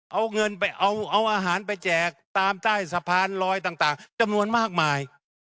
เอาเงินไปเอาอาหารไปแจกตามใต้สะพานลอยต่างจำนวนมากมาย